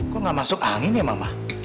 kok gak masuk angin ya mama